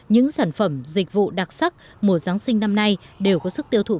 những sản phẩm dịch vụ đặc sắc mùa giáng sinh năm nay đều có sức tiêu thụ